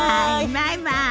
バイバイ！